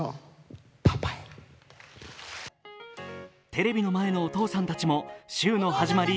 テレビの前のお父さんたちも週の始まり